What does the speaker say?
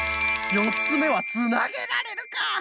４つめはつなげられるか。